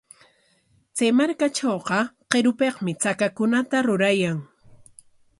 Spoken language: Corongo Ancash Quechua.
Chay markatrawqa qirupikmi chakakunata rurayan.